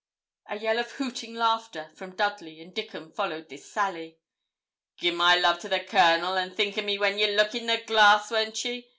A yell of hooting laughter from Dudley and Dickon followed this sally. 'Gi'e my love to the Colonel, and think o' me when ye look in the glass won't ye?